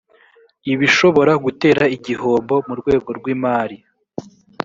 ibishobora gutera igihombo mu rwego rw imari